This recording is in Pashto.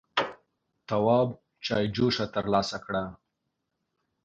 تواب چايجوشه تر لاسه کړه.